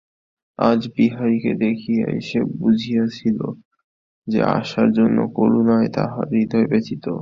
আজ বিহারীকে দেখিয়াই সে বুঝিয়াছিল যে, আশার জন্য করুণায় তাহার হৃদয় ব্যথিত।